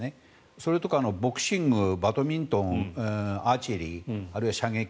それとか、ボクシングバドミントン、アーチェリーあるいは射撃。